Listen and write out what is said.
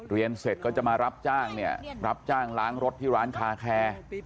เรียนเสร็จก็จะมารับจ้างล้างรถที่ร้านคาแคร์